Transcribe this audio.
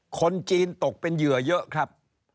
คนจีนตกเป็นเหยื่อเยอะครับ